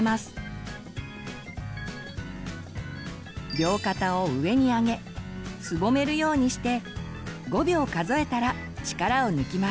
両肩を上にあげすぼめるようにして５秒数えたら力を抜きます。